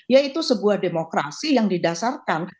yaitu sebuah demokrasi yang didasarkan